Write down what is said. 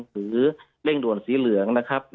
หรือเร่งด่วนสีเหลืองนะครับ